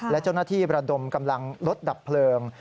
และเจ้าหน้าที่ประดมกำลังรถดับเพลิง